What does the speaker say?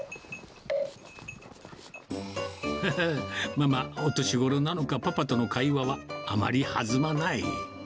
まあまあ、お年ごろなのか、パパとの会話はあまり弾まない。